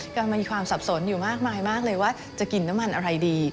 ก็มีความสับสนอยู่มากเลยว่าจะกินน้ำมันอะไรดี